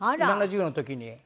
７０の時に。